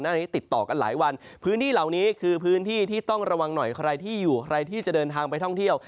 นี้ติดต่อกันหลายวันพื้นที่เหล่านี้คือพื้นที่ที่ต้องระวังหน่อยใครที่อยู่ใครที่จะเดินทางไปท่องเที่ยว